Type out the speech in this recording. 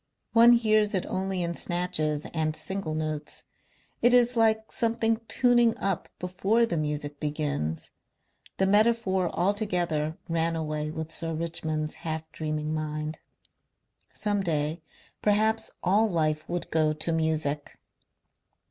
One hears it only in snatches and single notes. It is like something tuning up before the Music begins.... The metaphor altogether ran away with Sir Richmond's half dreaming mind. Some day perhaps all life would go to music.